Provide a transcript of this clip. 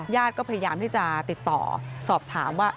ญาติก็พยายามที่จะติดต่อสอบถามว่า